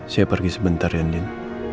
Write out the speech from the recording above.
saya pergi sebentar ya andin